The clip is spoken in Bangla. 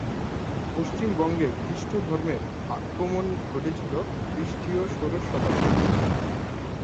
পশ্চিমবঙ্গে খ্রিস্টধর্মের আগমন ঘটেছিল খ্রিস্টীয় ষোড়শ শতাব্দীতে।